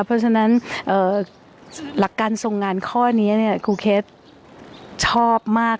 เพราะฉะนั้นหลักการทรงงานข้อนี้ครูเคสชอบมาก